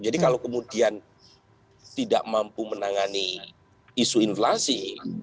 jadi kalau kemudian tidak mampu menangani isu inflasi